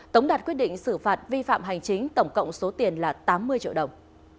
tống đạt quyết định xử phạt vi phạm hành chính tổng cộng số tiền là tám mươi triệu đồng